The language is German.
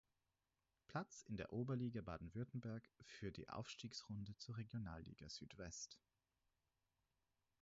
Platz in der Oberliga Baden-Württemberg für die Aufstiegsrunde zur Regionalliga Südwest.